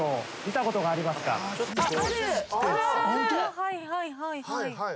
はいはいはいはい。